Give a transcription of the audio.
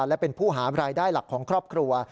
และเป็นผู้หารายได้หลักของครอบครัว